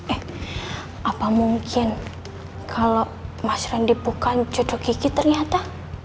eh apa mungkin kalau mas randy bukan jodoh gigi ternyata